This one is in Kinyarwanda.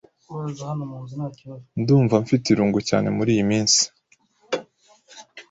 Ndumva mfite irungu cyane muriyi minsi.